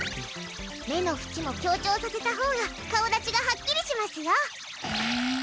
目の縁も強調させたほうが顔立ちがはっきりしますよ。